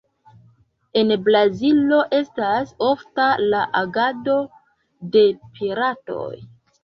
En Brazilo estas ofta la agado de piratoj.